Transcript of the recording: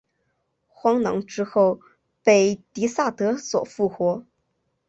荒狼之后被狄萨德所复活。